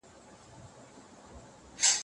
نبي عليه السلام د وژلو حکم صادر کړ.